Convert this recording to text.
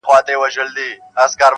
• تا بېشکه ګولۍ نه دي چلولي -